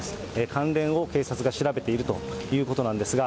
関連を警察が調べているということなんですが、